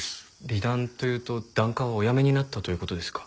離檀というと檀家をおやめになったという事ですか？